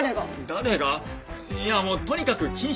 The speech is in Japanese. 誰がいやもうとにかく禁止です！